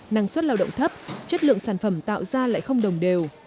năng suất lao động thấp chất lượng sản phẩm tạo ra lại không đồng đều